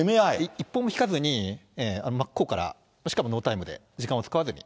一歩も引かずに真っ向から、しかもノータイムで、時間を使わずに。